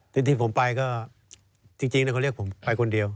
ที่ผมไปก็จริงเขาเรียกผมไปคนเดียว